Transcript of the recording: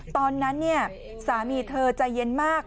ตอนนั้นสามีเธอใจเย็นมาก